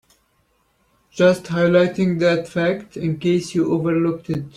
Just highlighting that fact in case you overlooked it.